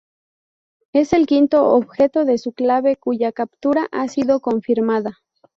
Es el quinto objeto de su clase cuya captura ha sido confirmada.